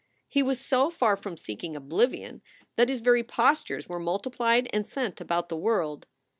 He was so far from seeking oblivion that his very postures were multiplied and sent about the world.